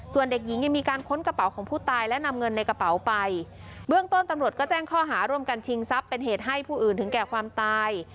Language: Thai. ส่วนเด็กหญิงยังมีการค้นกระเป๋าของผู้ตายและนำเงินในกระเป๋าไปเบื้องต้นตำรวจก็แจ้งข้อหาร่วมกันชิงทรัพย์เป็นเหตุให้ผู้อื่นถึงแก่ความตาย